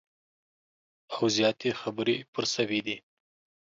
او زیاتي خبري پر سوي دي